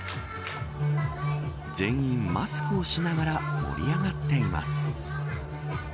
全員マスクをしながら盛り上がっています。